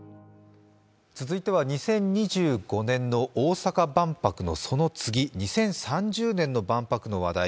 続いては２０２５年の大阪万博のその次、２０３０年の万博の話題。